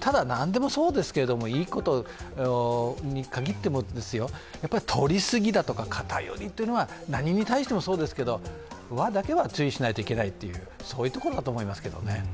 ただ何でもそうですけれどもいいことに限ってもですよ、取り過ぎだとか、偏りは何に対してもそうですが、それだけは注意しなくてはいけないという、そういうところだと思いますけどね。